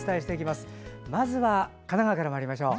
まずは神奈川からまいりましょう。